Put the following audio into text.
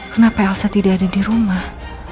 kenapa elsa tidak ada di rumah